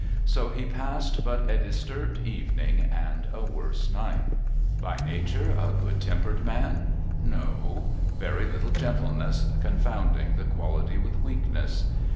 So he passed but a disturbed evening and a worse night. By nature a good tempered man? No; very little gentleness, confounding the quality with weakness.